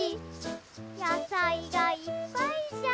やさいがいっぱいじゃ！